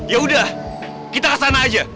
yaudah kita kesana aja